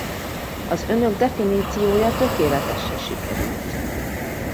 Az önök definíciója tökéletesre sikerült.